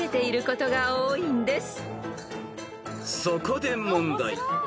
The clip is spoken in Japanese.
［そこで問題］